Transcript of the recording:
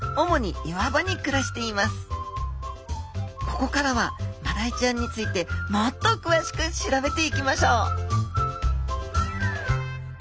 ここからはマダイちゃんについてもっと詳しく調べていきましょう！